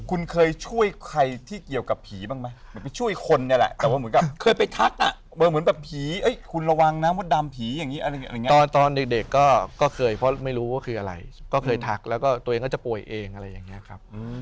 คุณเคยช่วยใครบางทีที่เกี่ยวกับผีบ้างหมดบ้างครับ